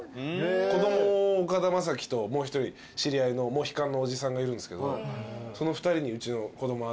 子供を岡田将生ともう一人知り合いのモヒカンのおじさんがいるんですけどその２人にうちの子供預けてとか。